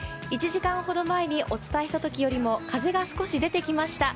１時間ほど前にお伝えしたときよりも風が少し出てきました。